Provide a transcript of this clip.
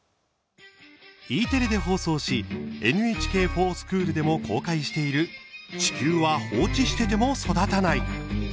Ｅテレで放送し「ＮＨＫｆｏｒＳｃｈｏｏｌ」でも公開している「地球は放置してても育たない」。